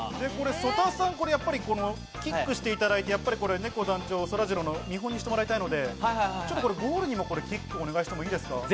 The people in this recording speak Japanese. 曽田さん、キックしていただいて、ねこ団長とそらジローの見本にしてもらいたいので、ゴールにもキックをお願いしてもいいですか？